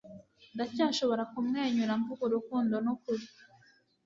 ndacyashobora kumwenyura mvuga urukundo nukuri